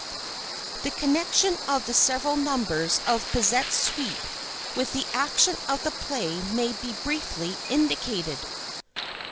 The connection of the several numbers of Bizet's suite with the action of the play may be briefly indicated: I.